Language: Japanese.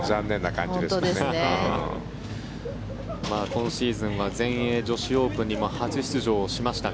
今シーズンは全英女子オープンにも初出場しました。